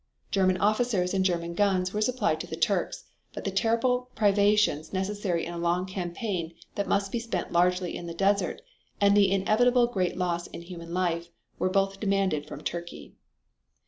German officers and German guns were supplied to the Turks, but the terrible privations necessary in a long campaign that must be spent largely in the desert, and the inevitable great loss in human life, were both demanded from Turkey.